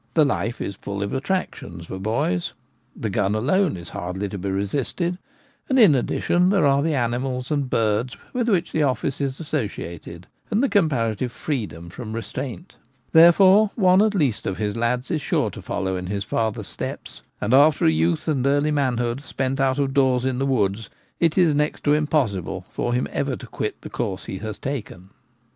The life is full of attraction to boys — the gun alone is hardly to be resisted ; and, in addition, there are the animals and birds with which the office is associated,, and the comparative freedom from restraint There fore one at least of his lads is sure to follow in his father's steps, and after a youth and early manhood spent out of doors in the woods it is next to impossi ble for him ever to quit the course he has taken.